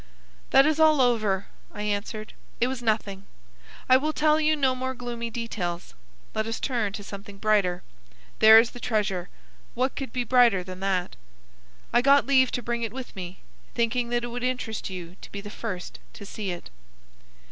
"That is all over," I answered. "It was nothing. I will tell you no more gloomy details. Let us turn to something brighter. There is the treasure. What could be brighter than that? I got leave to bring it with me, thinking that it would interest you to be the first to see it."